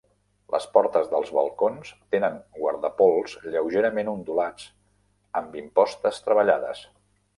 Les portes dels balcons tenen guardapols lleugerament ondulats amb impostes treballades.